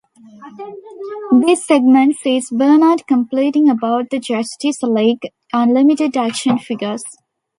This segment sees Bernard complaining about the Justice League Unlimited action figures.